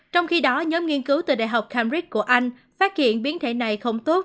trong khi đó nhóm nghiên cứu từ đại học camrik của anh phát hiện biến thể này không tốt